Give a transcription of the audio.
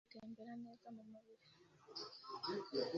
Uko arushaho gutembera neza mu mubiri,